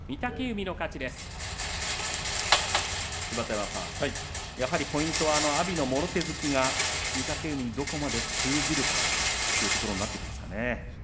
芝田山さん、やはりポイントは阿炎のもろ手突きが御嶽海にどこまで通じるかというところになってきますかね。